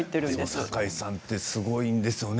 さかいさんってすごいんですよね。